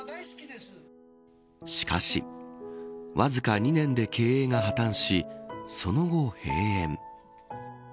しかしわずか２年で経営が破綻しその後、閉園。